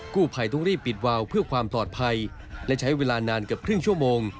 กู้ภัยต้องรีบปิดวาวเพื่อความปลอดภัยและใช้เวลานานเกือบครึ่งชั่วโมง